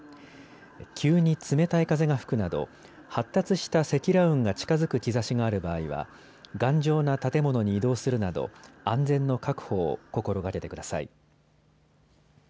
急に冷たい風が吹くなど発達した積乱雲が近づく兆しがある場合は頑丈な建物に移動するなど安全の確保を心がけてください。